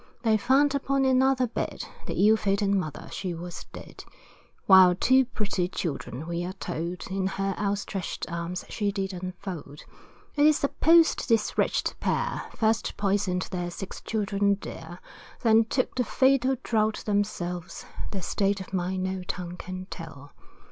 They found upon another bed, The ill fated mother, she was dead, While two pretty children we are told, In her outstretched arms she did enfold, It is supposed this wretched pair, First poisoned their six children dear, Then took the fatal draught themselves, Their state of mind no tongue can tell.